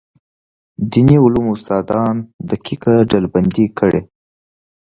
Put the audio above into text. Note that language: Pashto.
دیني علومو استادان دقیقه ډلبندي کړي.